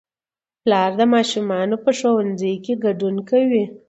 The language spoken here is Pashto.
پلار د ماشومانو په ښوونځي کې ګډون کوي